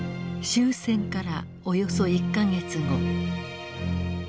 終戦からおよそ１か月後。